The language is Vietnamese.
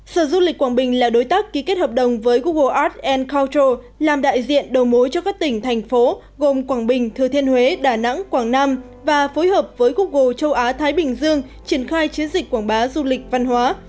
sở du lịch quảng bình là đối tác ký kết hợp đồng với google arts culture làm đại diện đầu mối cho các tỉnh thành phố gồm quảng bình thừa thiên huế đà nẵng quảng nam và phối hợp với google châu á thái bình dương triển khai chiến dịch quảng bá du lịch văn hóa